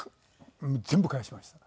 全部返しました。